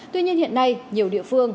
tuy nhiên hiện nay nhiều địa phương